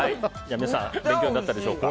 皆さん、勉強になったでしょうか。